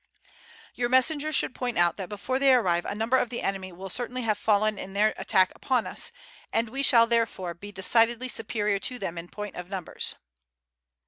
Your messenger should point out that before they arrive a number of the enemy will certainly have fallen in their attack upon us, and we shall, therefore, be decidedly superior to them in point of numbers."